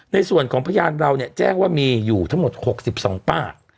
ในส่วนของพระญาติเราเนี้ยแจ้งว่ามีอยู่ทั้งหมดหกสิบสองป่า